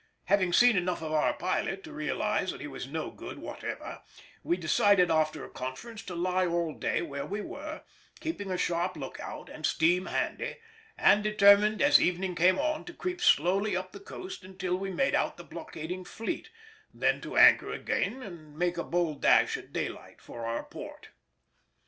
Having seen enough of our pilot to realise that he was no good whatever, we decided after a conference to lie all day where we were, keeping a sharp look out and steam handy, and determined as evening came on to creep slowly up the coast until we made out the blockading fleet, then to anchor again and make a bold dash at daylight for our port.